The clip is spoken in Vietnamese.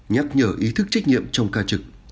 nhắc nhở ý thức trách nhiệm trong ca trực